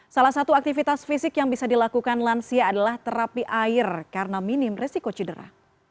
salah satu aktivitas fisik yang bisa dilakukan lansia adalah terapi air karena minim resiko cedera